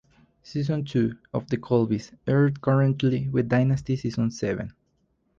Season two of "The Colbys" aired concurrently with "Dynasty" season seven.